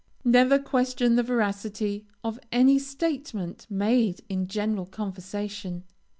Never question the veracity of any statement made in general conversation.